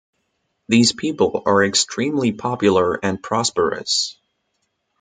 These people are extremely popular and prosperous.